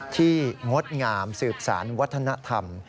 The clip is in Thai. งดงามสืบสารวัฒนธรรม